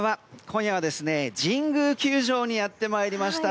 今夜は神宮球場にやってきました。